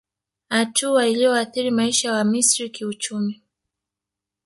Hatua iliyoathiri maisha ya Wamisri kiuchumi